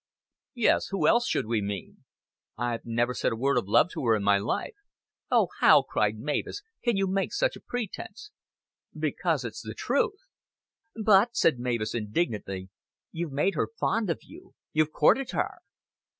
_" "Yes, who else should we mean?" "I've never said a word of love to her in my life." "Oh, how," cried Mavis, "can you make such a pretense?" "Because it's the truth." "But," said Mavis, indignantly, "you've made her fond of you. You've courted her."